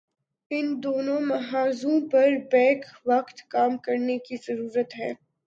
ان دونوں محاذوں پر بیک وقت کام کرنے کی ضرورت ہے۔